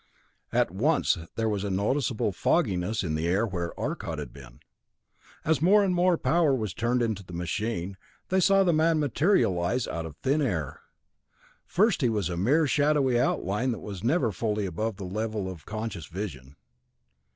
At once there was a noticeable fogginess in the air where Arcot had been. As more and more power was turned into the machine, they saw the man materialize out of thin air. First he was a mere shadowy outline that was never fully above the level of conscious vision.